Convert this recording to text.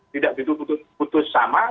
tidak diputus sama